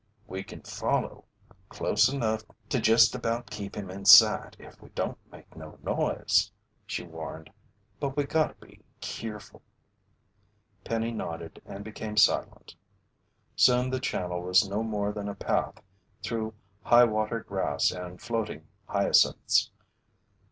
"We kin follow close enough to jest about keep him in sight if we don't make no noise," she warned. "But we gotta be keerful." Penny nodded and became silent. Soon the channel was no more than a path through high water grass and floating hyacinths.